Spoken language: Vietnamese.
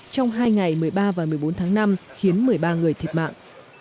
trong hai ngày một mươi ba và một mươi bốn tháng năm khiến một mươi ba người thiệt mạng